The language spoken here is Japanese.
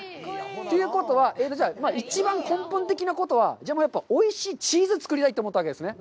ということは、いちばん根本的なことは、やっぱりおいしいチーズを作りたいと思ったわけですね。